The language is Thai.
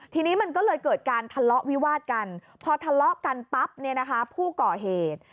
ทีนี้มันก็เลยเกิดการทะเลาะวิวาดกันพอทะเลาะกันปั๊บเนี่ยนะคะผู้ก่อเหตุ